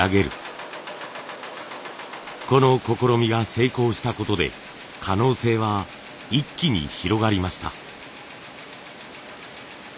この試みが成功したことで可能性は一気に広がりました。